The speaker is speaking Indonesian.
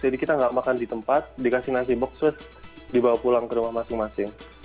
jadi kita nggak makan di tempat dikasih nasi boks terus dibawa pulang ke rumah masing masing